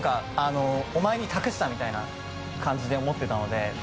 お前に託したみたいな感じで思ってたので。